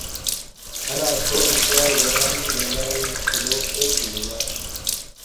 الہ تھو نسوارو گہ رام لیلہ شلوگ اک بلی وا ۔